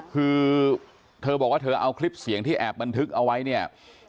คือเธอบอกว่าเธอเอาคลิปเสียงที่แอบบันทึกเอาไว้เนี่ย